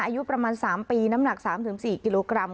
อายุประมาณ๓ปีน้ำหนัก๓๔กิโลกรัม